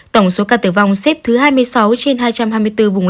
tổng số ca tử vong xếp thứ hai mươi sáu trên hai trăm hai mươi bốn vùng